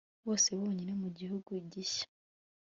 Bose bonyine mu gihugu gishya